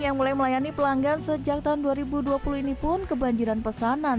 yang mulai melayani pelanggan sejak tahun dua ribu dua puluh ini pun kebanjiran pesanan